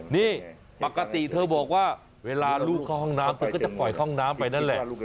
นี่ปกติเธอบอกว่าเวลาลูกเข้าห้องน้ำเธอก็จะปล่อยห้องน้ำไปนั่นแหละ